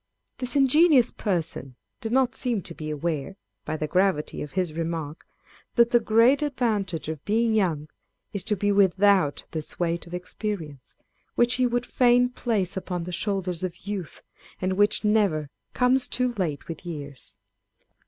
This ingenious person did not seem to be aware, by the gravity of his remark, that the great advantage of being young is to be without this weight of experience, which he would fain place upon the shoulders of youth, and which never comes too late with years.